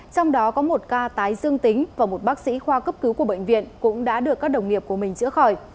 trong đó có một ca tái dương tính và một bác sĩ khoa cấp cứu của bệnh viện cũng đã được các đồng nghiệp của mình chữa khỏi